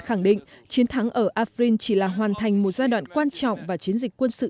khẳng định chiến thắng ở afrin chỉ là hoàn thành một giai đoạn quan trọng và chiến dịch quân sự